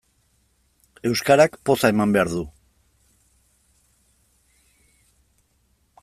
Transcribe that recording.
Euskarak poza eman behar du.